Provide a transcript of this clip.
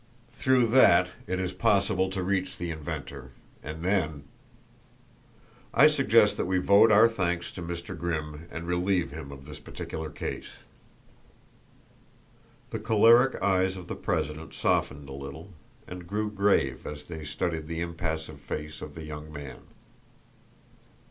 Through that it is possible to reach the inventor, and then ! I suggest that we vote our thanks to Mr. Grimm and relieve him of this particular case." The choleric eyes of the president softened a little, and grew grave as they studied the impassive face of the young man.